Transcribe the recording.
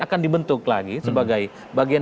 akan dibentuk lagi sebagai bagian